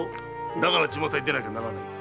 だから巷に出なきゃならないのだ。